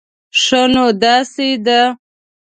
ښه، نو داسې ده